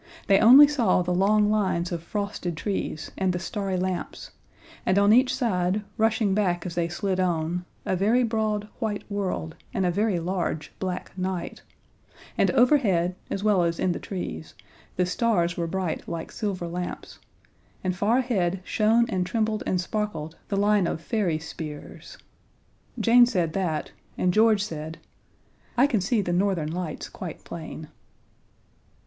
They only saw the long lines of frosted trees and the starry lamps, and on each side, rushing back as they slid on, a very broad, white world and a very large, black night; and overhead as well as in the trees the stars were bright like silver lamps, and far ahead shone and trembled and sparkled the line of fairy spears. Jane said that, and George said: "I can see the Northern Lights quite plain."